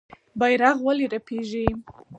بیرغ ولې رپیږي؟